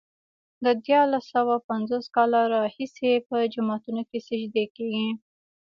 د دیارلس سوه پنځوس کاله راهيسې په جوماتونو کې سجدې کېږي.